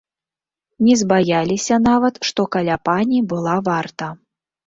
Не збаяліся нават, што каля пані была варта.